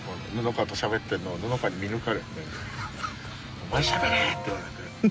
「お前しゃべれ！」って言われて。